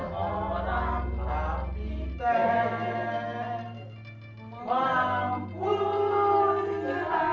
mau pemahaman kamu tigus kecil